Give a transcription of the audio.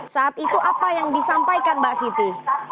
saat itu apa yang disampaikan mbak siti